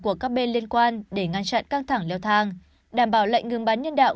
của các bên liên quan để ngăn chặn căng thẳng leo thang đảm bảo lệnh ngừng bắn nhân đạo